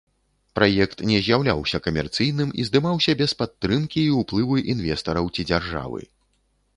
Праект не з'яўляўся камерцыйным і здымаўся без падтрымкі і ўплыву інвестараў ці дзяржавы.